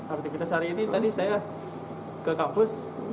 aktivitas hari ini tadi saya ke kampus